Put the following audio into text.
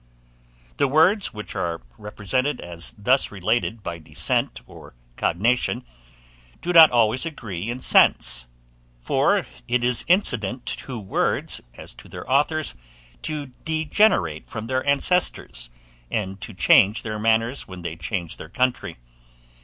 The words which are represented as thus related by descent or cognation, do not always agree in sense; for it is incident to words, as to their authours, to degenerate from their ancestors, and to change their manners when they change their country.